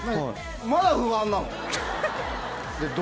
まだ不安なの？